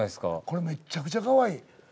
これめちゃくちゃかわいい。